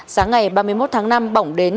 sáng ngày ba mươi một tháng năm bỏng đến